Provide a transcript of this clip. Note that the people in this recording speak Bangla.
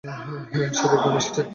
সে দেখলাম এসেছে।